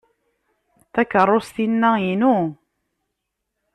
Takeṛṛust-inna inu.